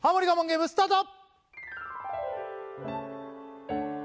ゲームスタート